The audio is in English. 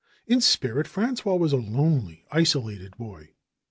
In spirit Frangois was a lonely, isolated boy.